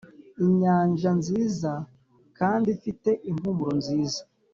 inyanja nziza kandi ifite impumuro nziza,